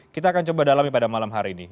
kita akan coba dalami pada malam hari ini